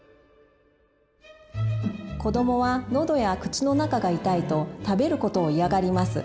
子どもはのどや口の中が痛いと食べることを嫌がります。